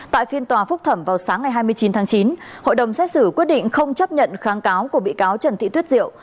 tại phiên tòa phúc thẩm vào sáng ngày hai mươi chín tháng chín hội đồng xét xử quyết định không chấp nhận kháng cáo của bị cáo trần thị tuyết diệu